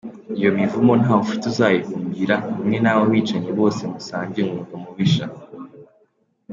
Iyo mivumo ntaho ufite uzayihungira, hamwe n,abo bicanyi bose musangiye umwuga mubisha !